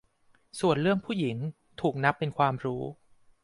ส่วนเรื่อง 'ผู้หญิง' ถูกนับเป็นความรู้